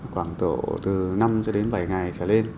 khoảng tổ từ năm cho đến bảy ngày trở lên